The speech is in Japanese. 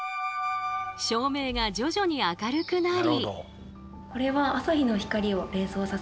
照明が徐々に明るくなり。